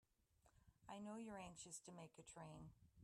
I know you're anxious to make a train.